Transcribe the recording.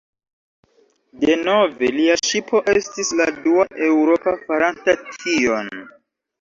Denove lia ŝipo estis la dua eŭropa faranta tion.